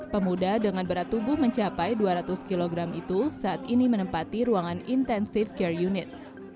pemuda dengan berat tubuh mencapai dua ratus kg itu saat ini menempati ruangan intensive care unit